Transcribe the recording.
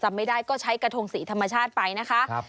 ไม่ได้ก็ใช้กระทงสีธรรมชาติไปนะคะ